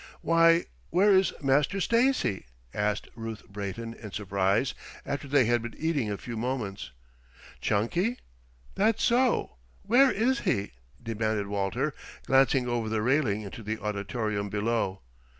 "Why, where is Master Stacy?" asked Ruth Brayton in surprise, after they had been eating a few moments. "Chunky? That's so, where is he?" demanded Walter, glancing over the railing into the auditorium below.